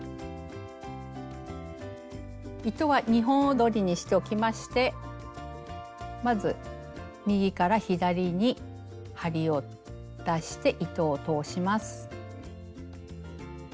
糸は２本どりにしておきましてまず右から左に針を出して糸を通します。